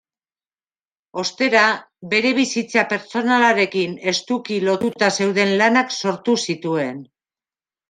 Ostera, bere bizitza pertsonalarekin estuki lotuta zeuden lanak sortu zituen.